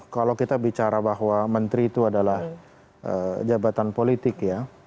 kalau kita bicara bahwa menteri itu adalah jabatan politik ya